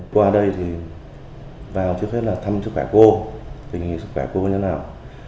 qua đây thì vào trước hết là thăm sức khỏe cô tình hình sức khỏe cô như thế nào